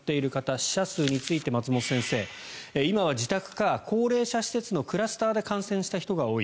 死者数について、松本先生今は自宅か、高齢者施設のクラスターで感染した人が多い。